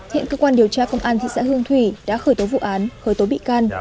hiện cơ quan điều tra công an thị xã hương thủy đã khởi tố vụ án khởi tố bị can